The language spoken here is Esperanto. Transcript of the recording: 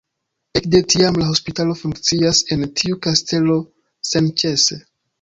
Ekde tiam la hospitalo funkcias en tiu kastelo senĉese.